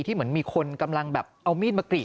เหมือนมีคนกำลังแบบเอามีดมากรีด